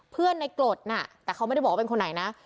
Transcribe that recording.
เพื่อนในกรดน่ะแต่เขาไม่ได้บอกว่าเป็นคนไหนนะ